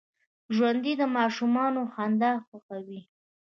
ژوندي د ماشومانو خندا خوښوي